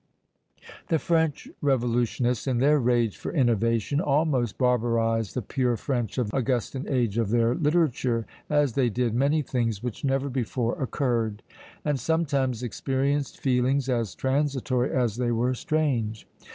The French revolutionists, in their rage for innovation, almost barbarised the pure French of the Augustan age of their literature, as they did many things which never before occurred; and sometimes experienced feelings as transitory as they were strange.